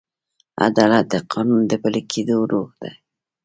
عدالت د قانون د پلي کېدو روح دی.